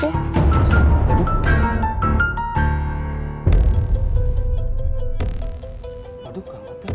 aduh ga mati